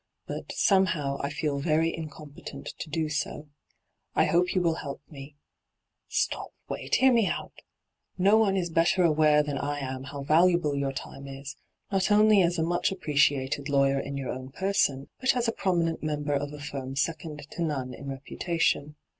'But, somehow, I feel very incompetent to do so. I hope you will help me. Stop — wait — hear me out I No one is better aware than I am how valuable your time is, not only as a much appreciated lawyer in your own person, but as a prominent member of a firm second to none in reputation.